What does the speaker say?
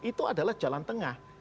itu adalah jalan tengah